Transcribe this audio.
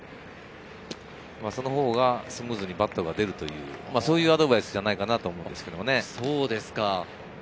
そのほうがスムーズにバットが出るというアドバイスじゃないかと思います。